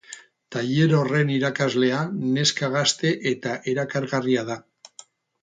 Tailer horren irakaslea neska gazte eta erakargarria da.